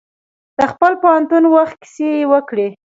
د خپل پوهنتون وخت کیسې یې وکړې.